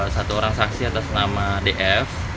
satu orang saksi atas nama df